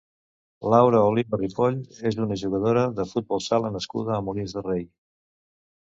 Laura Oliva Ripoll és una jugadora de futbol sala nascuda a Molins de Rei.